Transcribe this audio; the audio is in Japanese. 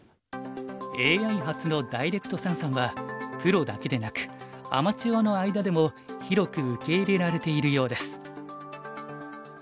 ＡＩ発のダイレクト三々はプロだけでなくアマチュアの間でも広く受け入れられているようです。